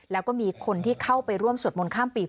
แล้วก็มีคนที่เข้าไปร่วมสวดมนต์ข้ามปี